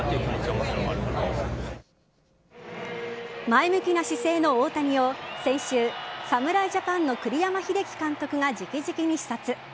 前向きな姿勢の大谷を先週侍ジャパンの栗山英樹監督が直々に視察。